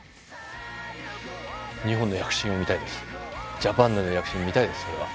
ジャパンの躍進見たいですそれは。